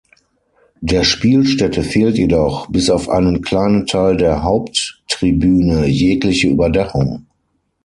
Der Spielstätte fehlt jedoch, bis auf einen kleinen Teil der Haupttribüne, jegliche Überdachung.